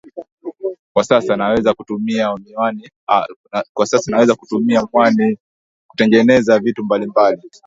Kwa sasa naweza kutumia mwani kutengeneza vitu mbalimbali